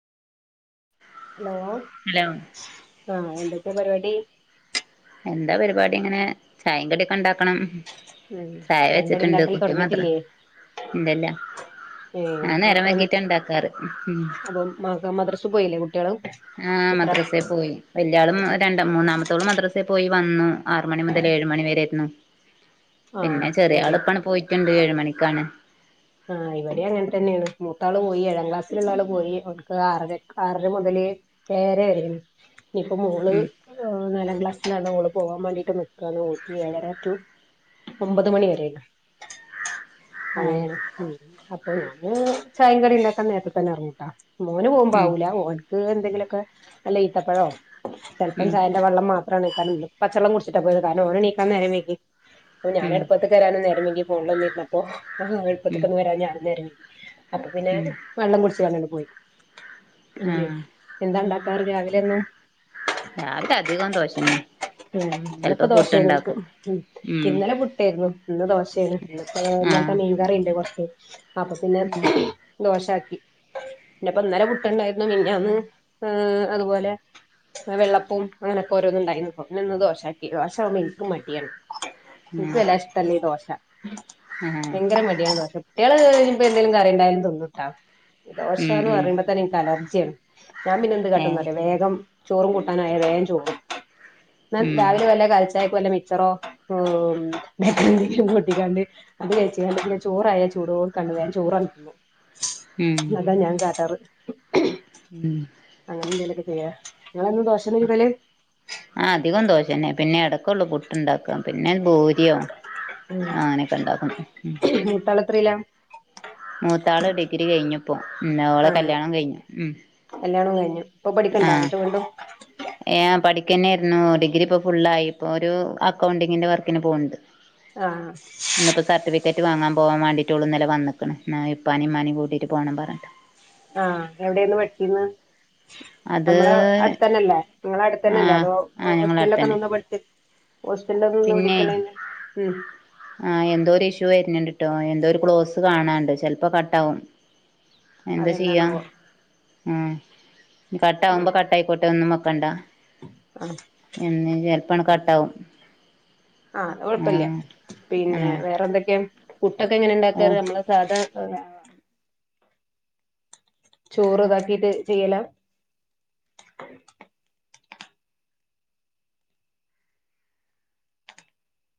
Hello? Hello? ആഹ.. എന്തൊക്കെയ പരിപാടി. എന്താ പരിപാടി ഇങ്ങനെ.. ചായയും കടിയൊക്കെ ഉണ്ടാക്കണം. ഉം ചായ ചായിം കടിം വെച്ചിട്ടുണ്ട്. ഇണ്ടാക്കല് കുട്ടി മദ്രസ തൊടങ്ങിട്ടില്ലേ ഇല്ല ല്ല. ഉം.. എത്ര നേരം ഉം അപ്പൊ മദ്രസ് പോയില്ലേ കുട്ടികള്? ആഹ.. മദ്രയിൽ പോയി. വല്യാളും രണ്ട് മൂന്നാമത്തോള് മദ്രസയിൽ പോയി. വന്നു ആറ മണി മുതൽ ഏഴ് മണി വരേയായിരുന്നു. ആഹ് പിന്നെ ചെറിയ ഇവടിം ആള് ഇപ്പൊ പോയിട്ടുണ്ട് ഏഴ മണിക്കാണ്. ആഹ.. ഇവിടെ അങ്ങനെ തന്നെയാണ് മൂത്താൾ പോയി. ഏഴാം ക്ലാസ്സിലുള്ള ആള് പോയി. അവക്ക് ആറര മുതല് എയര വരെയാണ്. ഇപ്പോ മോള് ഉം നാലാം ക്ലാസ്സിലാണ്ഓള് പോകാൻ വേണ്ടിയിട്ട് നിക്കാണ്. നോക്കി ഏഴര ടു ഒമ്പത് മണി വരെ. അങ്ങനെ ആഹ് ആണ്. ഉം.. അപ്പൊ ഞാന് ചായ കറി ഉണ്ടാക്കാൻ നേരത്തെ തന്നെ ഇറങ്ങൂട്ടാ. മോന് പോകുമ്പ ഉം ആവൂല ഓനക്ക് എന്തെങ്കിലുമൊക്കെ ഈത്തപ്പഴവോ ചെലപ്പം ഉം ചാ വെള്ളം മാത്രമാണ് ഇക്കാന് പച്ചെള്ളം കുടിച്ചിട്ടാ പോയത്. കാരണം ഓന് എനീക്കാൻ നേരം വൈകീ പിന്നെ ഞാൻ ഉം അടുപ്പത്തു നേരം വൈകി ഫോണില് നോക്കി ഇരുന്നപ്പോ എളുപ്പത്തിന് ഉം എണീറ് വരാനും ഞാനും നേരം വൈകീ അപ്പൊ പിന്നെ ഉം വെള്ളം കുടിച്ചിട്ട് അങ്ങ് പോയി. അങ്ങനെയ.. ആഹ് എന്താ ഉണ്ടാക്കാറ് രാവിലെന്നും? രാവിലെ അധികവും ദോശതന്നെ. ഉം.. ഇന്ന് ഇപ്പോ ദോശയനക് ഉം ഇന്നലെ പുട്ടായിരുന്നു. ഇന്ന് ദോശയാണ് എന്നിട്ട് ഇന്നലത്തെ ആഹ് മീൻകറി ഇണ്ട് കുറച്ച്. അപ്പൊ.. പിന്നെ ഉം ദോശ ആക്കി. പിന്നപ്പൊ ഇന്നലെ പുട്ട്ണ്ടായിരുന്നു മിഞ്ഞാന്ന് ഏ് അതുപോലെ ന്ന്‌വെള്ളപ്പും അങ്ങനഒക്കെ ഓരോന്ന്ണ്ടായിന്നു അപ്പോപ്പിന്നെ ഇന്ന് ദോശാക്കി ദോശാവുമ്പോ എനിക്കും മടിയാണ് ഇൻക്ക് ആഹ് വല്ലാതെ ഇഷ്ടല്ല ഈ ദോശ ആഹ് ഭയങ്കര മടിയാണ് ദോശം കുട്ട്യാള് ഇനിപ്പോ എന്തെലും കറിയിണ്ടായാലും തിന്നുട്ടാ ഉം ദോശാന്ന് ഉം പറയുമ്പോ തന്നെ ഇൻക്ക് അലർജ്യാണ് ഞാൻ പിന്നെന്ത് ഏഹ് കാട്ടുന്നറിയോ വേഗം ചോറും കൂട്ടാനും അയാ വേം ചോറ്ന്നും ന്നാ ഉം രാവിലെ വല്ല കാൽച്ചായക്ക് വല്ല മിച്ചറോ ഏ് മറ്റെന്തെങ്കിലും കൂട്ടിക്കാണ്ട് അതെച്ചെ അല്ലെങ്കി ഞാൻ ചോറായ ചൂടോട് കാണ്ട് വേം ചോറങ് തിന്നും ഉം അതാ ഞാൻ കാട്ടാറ് ഉം അങ്ങനെ എന്തേലൊക്കെ ചെയ്യാ ഇങ്ങള് എന്നും ദോശന്നെ ചുടല് ഞാൻ അധികം ദോശന്നെ പിന്നെടക്കാെള്ളൂ പുട്ട്ണ്ടാക്കാ പിന്നെ ഭൂര് യ്യോ ഉം ആനെക്കെ ഇണ്ടാക്കും ഉം മൂത്താളെത്രയിലാ മൂത്താള് ഡിഗ്രി കഴിഞ്ഞുപ്പോ ന്നെ ഓളെ കല്യാണം കഴിഞ്ഞു ഉം കല്യാണോം കഴിഞ്ഞു ഇപ്പ പഠിക്ക്ണ്ടാ എന്നിട്ട് വീണ്ടും യേഹ് പഠിക്കന്നെയ്രുന്നു ഡിഗ്രി ഇപ്പോ ഫുള്ളായി ഇപ്പൊ ഒരു അക്കൗണ്ടിങ്ങിന്റെ വർക്കിന് പോണ് ണ്ട് ആഹ് ഇന്ന്പ്പോ സർട്ടിഫിക്കറ്റ് വാങ്ങാൻ പോവാൻ വേണ്ടീറ്റോള് ഇന്നലെ വന്ന്ക്ക്ണ് ന്നാ ഇപ്പാനിം ഇമ്മാനിം കൂട്ടീട്ട് പോണം പറഞ്ഞിട്ട് ആഹ് എവിടെന്നു പഠിച്ചിര്ന്നെ അത് നമ്മള് അട്ത്തന്നല്ലേ ഇങ്ങളെ അട്ത്തന്നെല്ലേ ആഹ് അതോ ആഹ് ഞങ്ങളെ ഹോസ്റ്റലൊക്കെ അടുത്തന്നെ നിന്ന് പഠ്ച്ച് ഹോസ്റ്റലൊക്കെ നിന്ന് പിന്നെ പഠിക്കലെന്നെ ഉം ആഹ് എന്തോര് ഇഷ്യൂ വെര്ന്ണ്ട്ട്ടോ എന്തോ ഒരു ക്ലോസ് കാണാണ്ട് ചെല്പോ കട്ടാവും എന്താ ചെയ്യാ അതെന്താണാവോ ഉം കാട്ടാവുമ്പോ കട്ടായിക്കോട്ടെ ഒന്നും വെക്കണ്ട ആഹ് ഇന്ന് ചെല്പാണ്ട് കട്ടാവും ആഹ് അത് കൊയപ്പല്ല്യ ആഹ് പിന്നെ വേറെ എന്തെക്കെ പുട്ടൊക്കെ എങ്ങനെ ആഹ് ഇണ്ടാക്കാറ് നമ്മള് സാധാ പോലെ ചോറ് ഇതാക്കീട്ട് ചെയ്യലാ